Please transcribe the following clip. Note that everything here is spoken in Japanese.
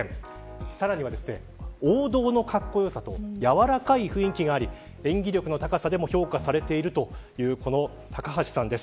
さらに王道の格好良さと柔らかい雰囲気があり演技力の高さでも評価されているという高橋さんです。